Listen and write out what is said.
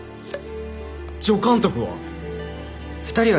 「助監督は？」